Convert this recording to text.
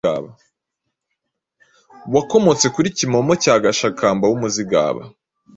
Wakomotse kuri Kimomo cya Gashakamba w’umuzigaba,